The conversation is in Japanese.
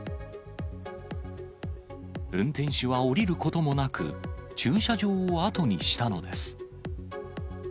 運転手は降りることもなく、駐車場を後にしたのです。